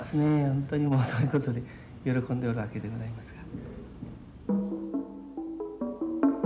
本当にもうそういうことで喜んでおるわけでございますが。